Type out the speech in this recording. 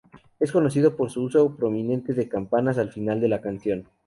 Es conocido por su uso prominente de campanas al final de la canción.